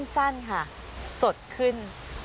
สั้นค่ะสดขึ้น